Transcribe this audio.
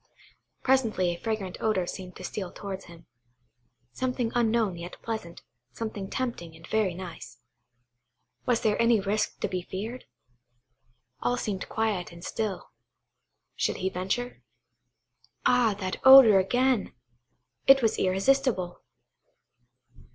Presently a fragrant odour seemed to steal towards him,–something unknown yet pleasant, something tempting and very nice. Was there any risk to be feared? All seemed quiet and still. Should he venture? Ah, that odour again! it was irresistible.